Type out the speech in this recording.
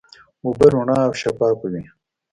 اوبه رڼا او شفافه وي.